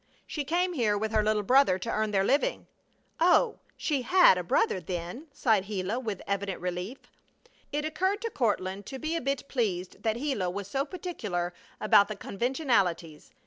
"She came here with her little brother to earn their living." "Oh, she had a brother, then!" sighed Gila with evident relief. It occurred to Courtland to be a bit pleased that Gila was so particular about the conventionalities.